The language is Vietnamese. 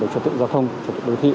về trật tựu giao thông trật tựu đối thị